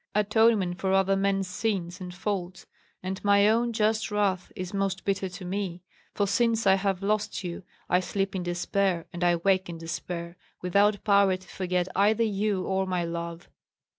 Atonement for other men's sins and faults and my own just wrath is most bitter to me, for since I have lost you I sleep in despair and I wake in despair, without power to forget either you or my love.